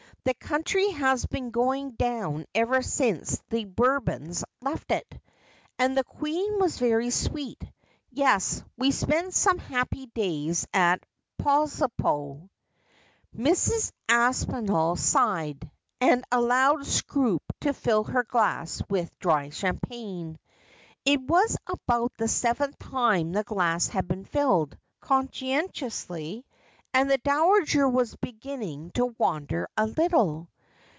The country has been going down ever since the Bourbons left it. And the Queen was very sweet. Yes, we spent some happy days at Posilipo.' Mrs. Aspinall sighed, and allowed Scroope to fill her glass with dry champagne. It was about the seventh time the glass had been filled, conscientiously, and the dowager was beginning to wander a little.